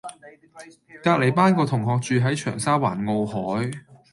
隔離班個同學住喺長沙灣傲凱